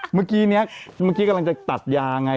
เมื่อกี้นี้เมื่อกี้กำลังจะตัดยาไง